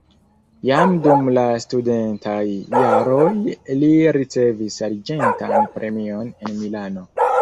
Jam dum la studentaj jaroj li ricevis arĝentan premion en Milano.